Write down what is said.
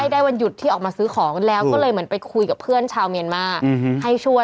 ได้วันหยุดที่ออกมาซื้อของแล้วก็เลยเหมือนไปคุยกับเพื่อนชาวเมียนมาให้ช่วย